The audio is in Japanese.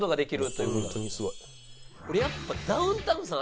これやっぱダウンタウンさん